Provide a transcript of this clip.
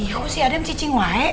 iya aku sih adam cicing wae